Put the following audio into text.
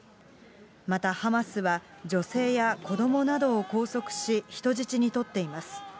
また、ハマスは女性や子どもなどを拘束し、人質に取っています。